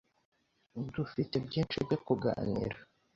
Dufite byinshi byo kuganira.